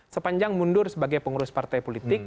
sepanjang mundur sebagai pengurus partai politik